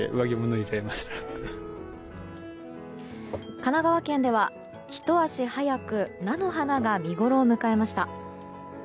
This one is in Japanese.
神奈川県ではひと足早く菜の花が見ごろを迎えました。